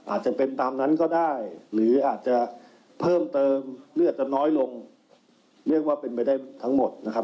อาจจะเป็นตามนั้นก็ได้หรืออาจจะเพิ่มเติมเลือดจะน้อยลงเรียกว่าเป็นไปได้ทั้งหมดนะครับ